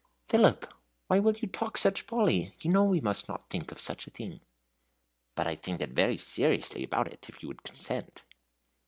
"Philip! why will you talk such folly? You know we must not think of such a thing." "But I think very seriously about it if you would consent."